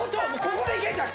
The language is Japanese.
ここでいけんか？